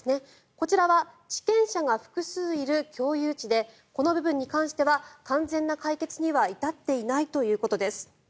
こちらは地権者が複数いる共有地でこの部分に関しては完全な解決には至っていないということです。